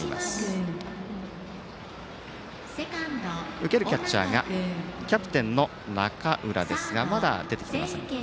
受けるキャッチャーはキャプテンの中浦ですがまだ出てきていません。